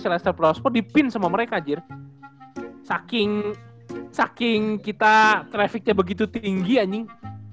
selesai prospor dipin sama mereka jir saking saking kita trafficnya begitu tinggi anjing